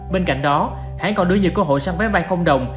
bên cạnh đó hãng còn đưa nhiều cơ hội sang vé bay bay không đồng